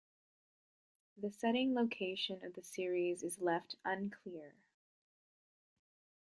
The setting location of the series is left unclear.